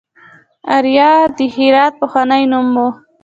اریا د هرات پخوانی نوم و